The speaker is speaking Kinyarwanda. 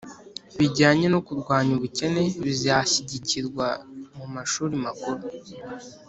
bijyanye no kurwanya ubukene bizashyigikirwa mu mashuri makuru.